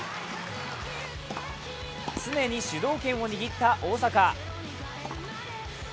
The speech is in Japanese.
常に主導権を握った大坂。